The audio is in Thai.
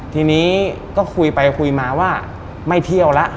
ทีนี้ก็คุยไปคุยมาว่าไม่เที่ยวแล้ว